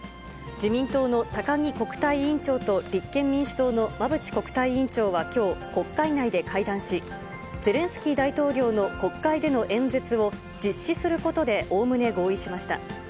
自民党の高木国対委員長と、立憲民主党の馬淵国対委員長はきょう、国会内で会談し、ゼレンスキー大統領の国会での演説を実施することでおおむね合意しました。